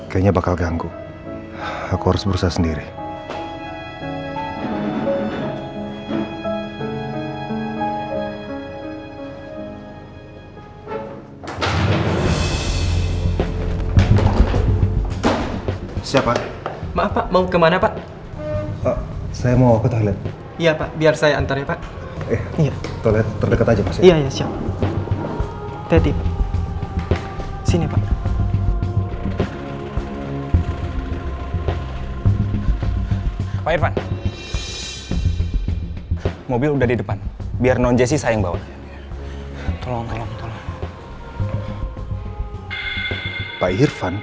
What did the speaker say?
saya akan pergi lima puluh satu alguém lagi